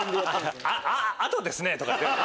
「ああとですね」とかって。